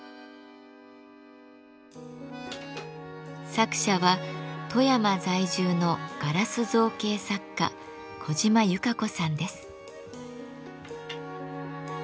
作者は富山在住のガラス造形作家小島有香子さんです。